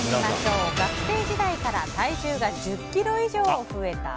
学生時代から体重が１０ｋｇ以上増えた？